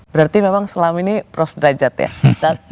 berarti memang selama ini prof derajat ya